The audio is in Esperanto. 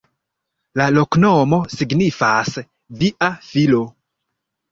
La loknomo signifas: via filo.